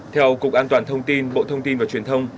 theo cục an toàn thông tin bộ thông tin và truyền thông